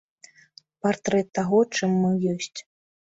Партрэт таго, чым мы ёсць.